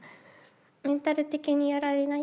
「メンタル的にやられない？」